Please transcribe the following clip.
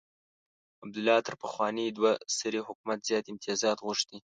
عبدالله تر پخواني دوه سري حکومت زیات امتیازات غوښتي.